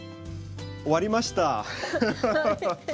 終わりました。